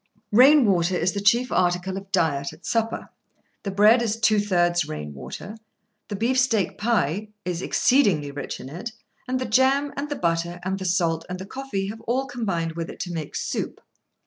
Rainwater is the chief article of diet at supper. The bread is two thirds rainwater, the beefsteak pie is exceedingly rich in it, and the jam, and the butter, and the salt, and the coffee have all combined with it to make soup.